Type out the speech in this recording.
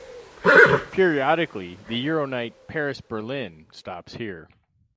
Periodically the EuroNight Paris-Berlin stops here.